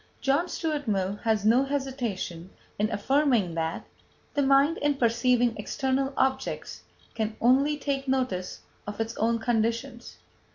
John Stuart Mill has no hesitation in affirming that: "The mind, in perceiving external objects, can only take notice of its own conditions."